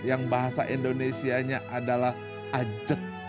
yang bahasa indonesia nya adalah ajak